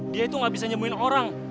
dia itu gak bisa nyemuin orang